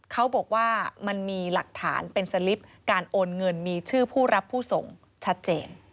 เขาบอกว่ามันมีหลักฐานเป็นสลิปการโอนเงินมีชื่อผู้รับผู้ส่งชัดเจน